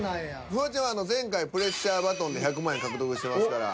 フワちゃんは前回プレッシャーバトンで１００万円獲得してますから。